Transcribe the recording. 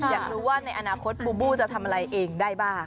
อยากรู้ว่าในอนาคตบูบูจะทำอะไรเองได้บ้าง